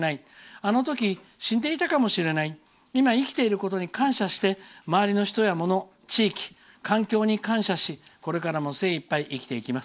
あのとき死んでいたかもしれない今、生きていることに感謝して周りの人やもの地域、環境に感謝しこれからも精いっぱい生きていきます。